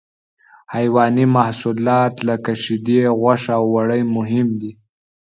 حیواني محصولات لکه شیدې، غوښه او وړۍ مهم دي.